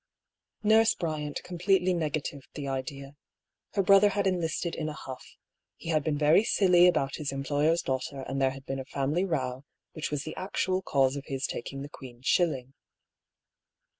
Nurse Bryant completely negatived the idea. Her brother had enlisted in a huff. He had been very silly about his employer's daughter, and there had been a family row, which was the actual cause of his taking the Queen's shilling.